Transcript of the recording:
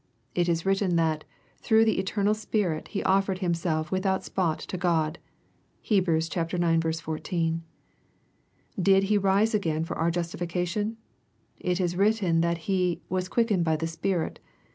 It is written that " through the eternal Spirit He offered himself without spot to God." (Heb. ix. 14.) Did He rise again for our justification ? It is written that He " was quickened by the Spirit."